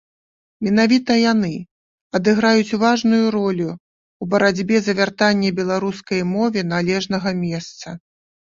Менавіта яны адыграюць важную ролю ў барацьбе за вяртанне беларускай мове належнага месца.